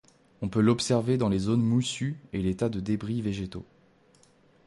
On peut l'observer dans les zones moussues et les tas de débris végétaux.